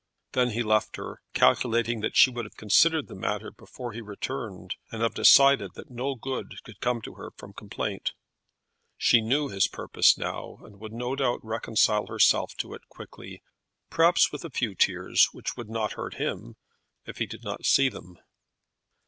Then he left her, calculating that she would have considered the matter before he returned, and have decided that no good could come to her from complaint. She knew his purpose now, and would no doubt reconcile herself to it quickly; perhaps with a few tears, which would not hurt him if he did not see them.